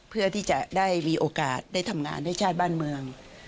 เพื่อที่จะได้มีโอกาสได้ทำงานให้ชาติบ้านเมือง